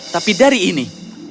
tapi dari sini